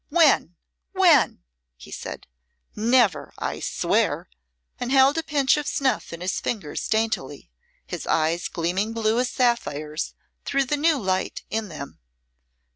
"When, when?" he said. "Never, I swear!" and held a pinch of snuff in his fingers daintily, his eyes gleaming blue as sapphires through the new light in them.